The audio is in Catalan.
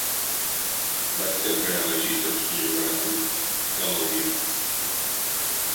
Van ser reelegits els liberals de Laurier.